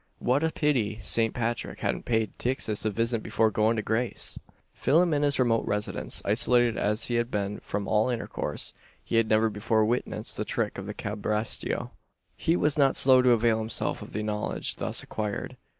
What a pity Saint Pathrick hadn't paid Tixas a visit before goin' to grace!" Phelim in his remote residence, isolated as he had been from all intercourse, had never before witnessed the trick of the cabriesto. He was not slow to avail himself of the knowledge thus acquired.